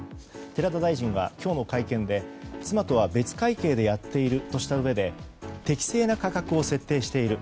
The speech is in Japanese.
寺田大臣は今日の会見で妻とは別会計でやっているとしたうえで適正な価格を設定している。